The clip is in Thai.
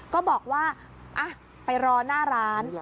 ก็บอกว่าไปรอหน้าร้าน